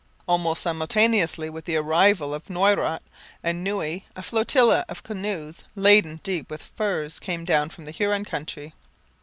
Almost simultaneously with the arrival of Noyrot and Noue a flotilla of canoes laden deep with furs came down from the Huron country.